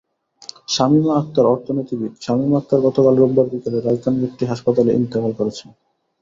শামীমা আখতারঅর্থনীতিবিদ শামীমা আখতার গতকাল রোববার বিকেলে রাজধানীর একটি হাসপাতালে ইন্তেকাল করেছেন।